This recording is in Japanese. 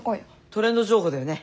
トレンド情報だよね。